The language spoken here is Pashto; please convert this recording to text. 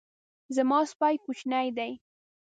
زما سپی کوچنی دی